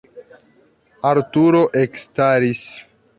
Arturo ekstaris.